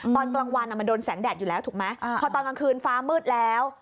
ตอนกลางวันมันโดนแสงแดดอยู่แล้วถูกไหมพอตอนกลางคืนฟ้ามืดแล้ว